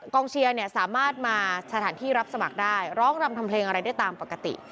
เชียร์เนี่ยสามารถมาสถานที่รับสมัครได้ร้องรำทำเพลงอะไรได้ตามปกติ